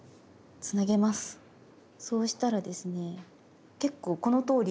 そうしたらですね結構このとおり。